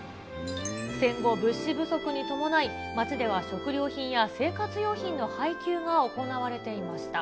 戦後、物資不足に伴い、街では食料品や生活用品の配給が行われていました。